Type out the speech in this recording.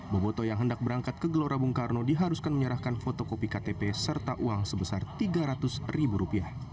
boboto yang hendak berangkat ke gelora bung karno diharuskan menyerahkan fotokopi ktp serta uang sebesar rp tiga ratus ribu rupiah